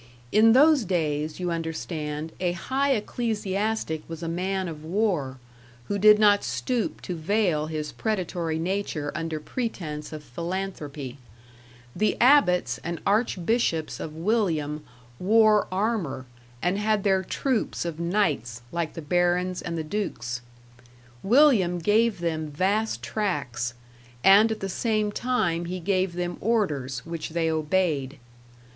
In those days, you understand, a high ecclesiastic was a man of war, who did not stoop to veil his predatory nature under pretense of philanthropy; the abbots and archbishops of William wore armor and had their troops of knights like the barons and the dukes. William gave them vast tracts, and at the same time he gave them orders which they obeyed.